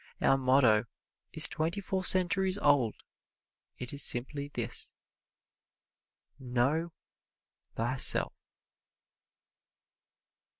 Our motto is twenty four centuries old it is simply this: KNOW THYSELF.